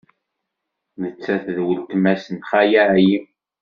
Nettat d weltma-s n Xali Ɛli.